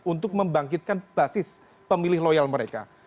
untuk membangkitkan basis pemilih loyal mereka